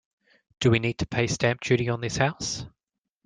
Do we need to pay stamp duty on this house?